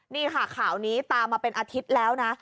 นี่ค่ะข่าวนี้ตามมาเป็นอาทิตย์แล้วนะ